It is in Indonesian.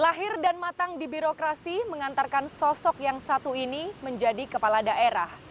lahir dan matang di birokrasi mengantarkan sosok yang satu ini menjadi kepala daerah